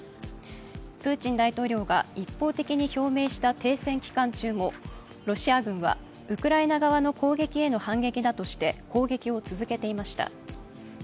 プーチン大統領が一方的に表明した停戦期間中もロシア軍はウクライナ側の攻撃への反撃だとして攻撃を続けていました。